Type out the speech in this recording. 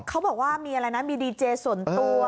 เขาบอกว่ามีอะไรนะมีดีเจส่วนตัว